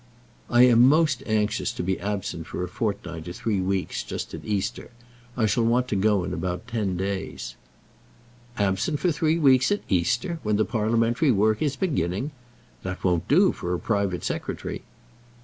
"I am most anxious to be absent for a fortnight or three weeks, just at Easter. I shall want to go in about ten days." "Absent for three weeks at Easter, when the parliamentary work is beginning! That won't do for a private secretary."